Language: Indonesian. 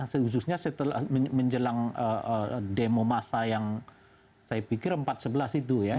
khususnya setelah menjelang demo masa yang saya pikir empat sebelas itu ya